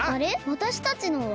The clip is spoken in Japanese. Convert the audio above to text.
わたしたちのは？